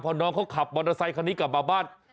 พอน้องเขาขับมอเตอร์ไซคันนี้กลับมาบ้าน